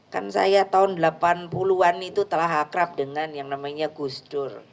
kan saya tahun delapan puluh an itu telah akrab dengan yang namanya gus dur